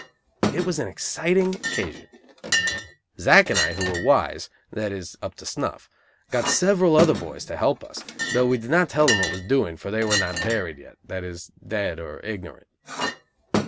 It was an exciting occasion. Zack and I, who were "wise," (that is, up to snuff) got several other boys to help us, though we did not tell them what was doing, for they "were not buried" yet, that is, "dead," or ignorant.